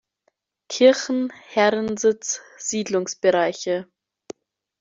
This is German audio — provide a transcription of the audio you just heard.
Kirchen, Herrensitz, Siedlungsbereiche".